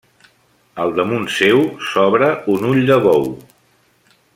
Al damunt seu s'obre un ull de bou.